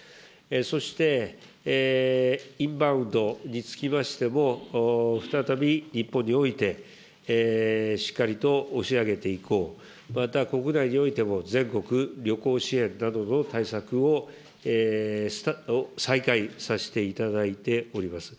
そして、インバウンドにつきましても、再び日本において、しっかりと押し上げていこう、また国内においても全国旅行支援などの対策を再開させていただいております。